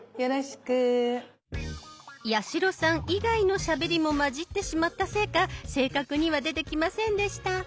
八代さん以外のしゃべりも混じってしまったせいか正確には出てきませんでした。